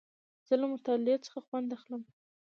زه له مطالعې څخه خوند اخلم.